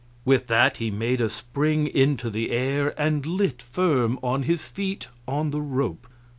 With that he made a spring into the air and lit firm on his feet on the rope.